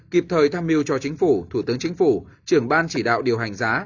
kịp thời tham mưu cho chính phủ thủ tướng chính phủ trưởng ban chỉ đạo điều hành giá